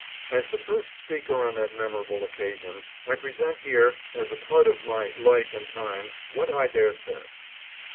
As the first speaker on that memorable occasion, I pre sent here as a part of my " Life and Times " what I there said.